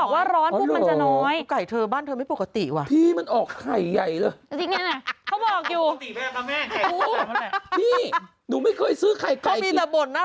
หรือเอาไงฟะอาสาวด์ร้อนเหรอ